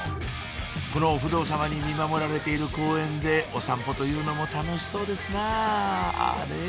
このお不動様に見守られている公園でお散歩というのも楽しそうですなあれ？